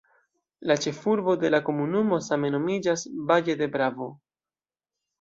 La ĉefurbo de la komunumo same nomiĝas "Valle de Bravo".